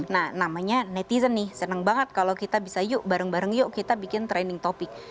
nah namanya netizen nih seneng banget kalau kita bisa yuk bareng bareng yuk kita bikin trending topic